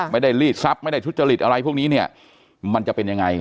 ลีดทรัพย์ไม่ได้ทุจริตอะไรพวกนี้เนี่ยมันจะเป็นยังไง